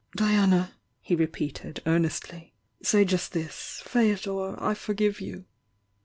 "Diana," he repeated, earnestly — "Say just this — 'Feodor, I forgive you!'